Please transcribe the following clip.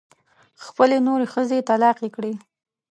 خپلې نورې ښځې طلاقې کړې.